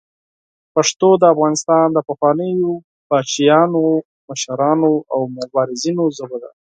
پښتو د افغانستان د پخوانیو پاچاهانو، مشرانو او مبارزینو ژبه ده.